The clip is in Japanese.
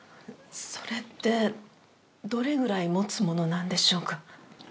それってどれぐらい持つものなんでしょうか？